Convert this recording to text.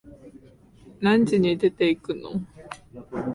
何時に出てくの？